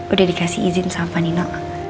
udah dikasih izin sama pak nino